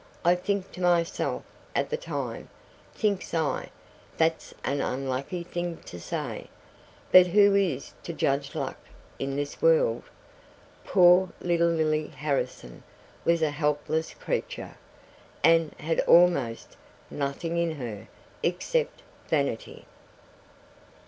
I thinks to myself at the time, thinks I, 'That's an unlucky thing to say.'" But who is to judge luck in this world? Poor little Lily Harrison was a helpless creature, and had almost 'nothing in her' except vanity.